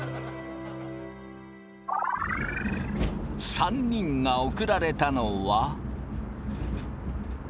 ３人が送られたのは。